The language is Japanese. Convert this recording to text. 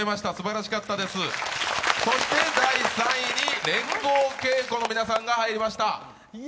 そして第３位に連合稽古の皆さんが入りました。